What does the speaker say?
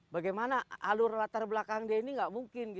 bagaimana alur latar belakang dia ini nggak mungkin